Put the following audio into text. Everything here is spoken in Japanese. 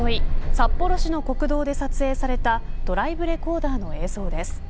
札幌市の国道で撮影されたドライブレコーダーの映像です。